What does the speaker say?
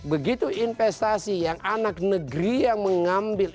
begitu investasi yang anak negeri yang mengambil